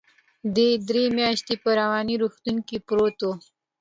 دى درې مياشتې په رواني روغتون کې پروت و.